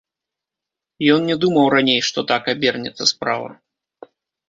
Ён не думаў раней, што так абернецца справа.